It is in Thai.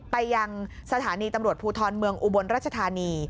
ไปยังสถานีตำรวจภูทรเมืองอุบลรัชธานี